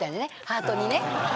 ハートにね。